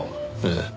ええ。